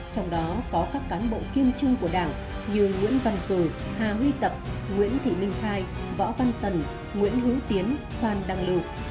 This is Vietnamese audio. trong đó có các cán bộ kiêm trưng của đảng như nguyễn văn tử hà huy tập nguyễn thị minh khai võ văn tần nguyễn hữu tiến phan đăng lược